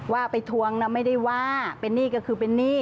ว่าไปทวงนะไม่ได้ว่าเป็นหนี้ก็คือเป็นหนี้